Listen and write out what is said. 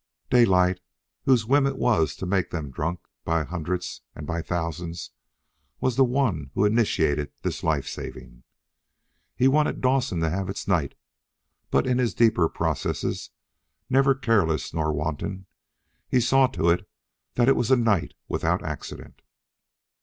Daylight, whose whim it was to make them drunk by hundreds and by thousands, was the one who initiated this life saving. He wanted Dawson to have its night, but, in his deeper processes never careless nor wanton, he saw to it that it was a night without accident.